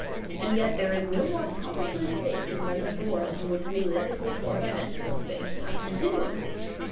And yet there is no more common place statement than that the world in which we live is a four dimensional space time continuum.